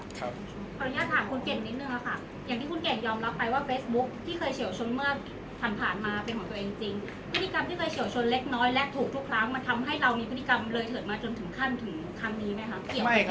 มันทำให้เรามีพฤติกรรมเลยเถิดมาจนถึงขั้นถึงคำนี้ไหมคะ